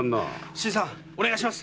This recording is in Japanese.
新さんお願いします。